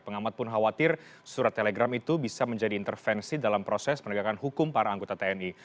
pengamat pun khawatir surat telegram itu bisa menjadi intervensi dalam proses penegakan hukum para anggota tni